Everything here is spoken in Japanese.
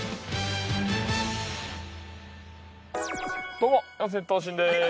どうも四千頭身です。